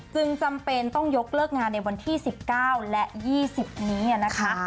จำเป็นต้องยกเลิกงานในวันที่๑๙และ๒๐นี้นะคะ